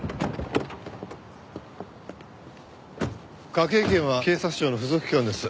科警研は警察庁の付属機関です。